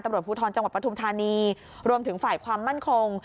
ตำรวจภูทรจังหวัดปฐุมธานีรวมถึงฝ่ายความมั่นคง